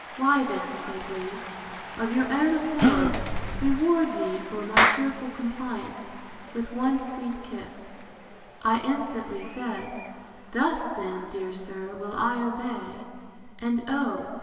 Why then, said he, of your own accord, reward me for my cheerful compliance, with one sweet kiss—I instantly said, Thus, then, dear sir, will I obey; and, oh!